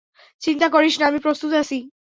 চিন্তা করিস না, আমি প্রস্তুত আছি।